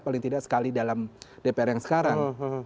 paling tidak sekali dalam dpr yang sekarang